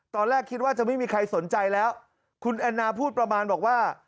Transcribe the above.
ตอนแรกคิดว่าจะไม่มีใครสนใจแล้วคุณแอนนาพูดประมาณบอกว่า